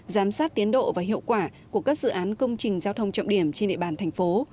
giám sát tiến độ và hiệu quả của các dự án công trình giao thông trọng điểm trên địa bàn thành phố